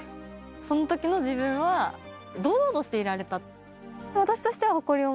その時の自分は堂々としていられた。